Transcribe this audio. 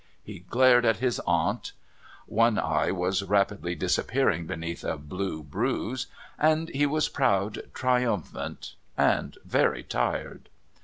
He glared at his aunt (one eye was rapidly disappearing beneath a blue bruise), and he was proud, triumphant, and very tired.